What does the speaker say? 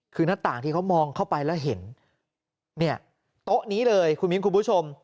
คือหน้าต่างที่เขามองเข้าไปแล้วเห็นเนี่ยโต๊ะนี้เลยคุณมิ้นคุณผู้ชม